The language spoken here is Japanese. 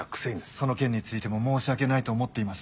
その件についても申し訳ないと思っています。